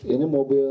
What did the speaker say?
ini mobil pelaku